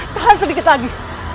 tahan sedikit lagi